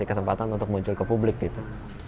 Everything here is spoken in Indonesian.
kita kasih kesempatan untuk muncul ke publik gitu